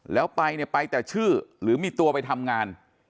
แล้วไปเนี่ยไปแต่ชื่อหรือมีตัวไปทำงาน